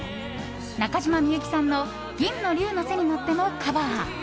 中島みゆきさんの「銀の龍の背に乗って」もカバー。